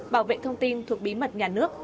bảo vệ thông tin thuộc bí mật nhà nước